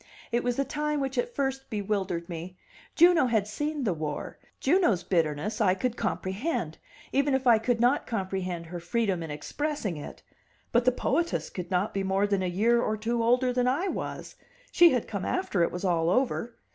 It was the time which at first bewildered me; Juno had seen the war, Juno's bitterness I could comprehend, even if I could not comprehend her freedom in expressing it, but the poetess could not be more than a year or two older than I was; she had come after it was all over.